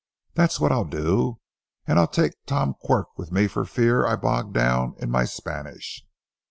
That's what I'll do—and I'll take Tom Quirk with me for fear I bog down in my Spanish."